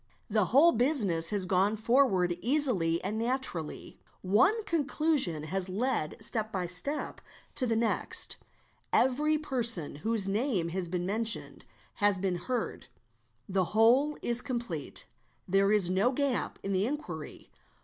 The whole business has gone forward easily and naturally ; one conclusion has led step by step to the next; every person whose name has been mentioned has been heard; the whole is complete; there is no gap in the inquiry.